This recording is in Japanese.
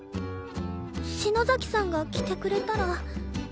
篠崎さんが着てくれたら